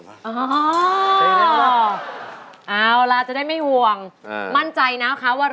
เพลิงดีกว่า